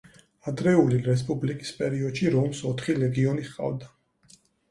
ადრეული რესპუბლიკის პერიოდში რომს ოთხი ლეგიონი ჰყავდა.